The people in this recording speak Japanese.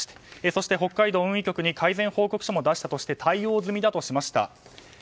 そして、北海道運輸局に改善報告書を出したとして対応済みだとしました。